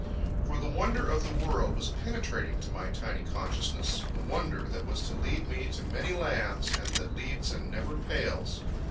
For the wonder of the world was penetrating to my tiny consciousness—the wonder that was to lead me to many lands, and that leads and never pails.